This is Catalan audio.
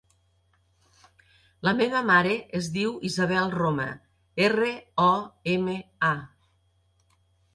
La meva mare es diu Isabel Roma: erra, o, ema, a.